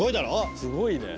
すごいね。